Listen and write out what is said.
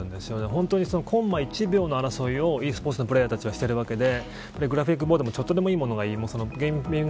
ほんとにコンマ１秒の争いをｅスポーツのプレイヤーたちはしているわけでグラフィックボードもちょっとでもいいものがいい。